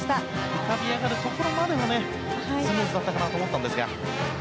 浮かび上がるところまではスムーズだったかなと思ったんですが。